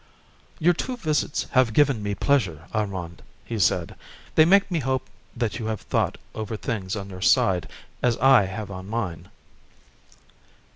"Your two visits have given me pleasure, Armand," he said; "they make me hope that you have thought over things on your side as I have on mine."